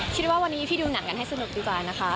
คิดว่าวันนี้พี่ดูหนังกันให้สนุกดีกว่านะคะ